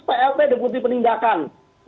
plp deputi penindakan